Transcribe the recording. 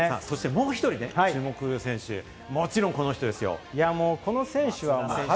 もう１人注目の選手、もちろんこの人ですよ。